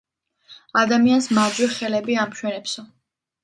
ადამიანს მარჯვე ხელები ამშვენებსო